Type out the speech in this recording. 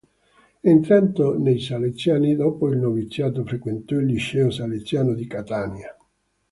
Entrato nei salesiani, dopo il noviziato frequentò il liceo salesiano di Catania.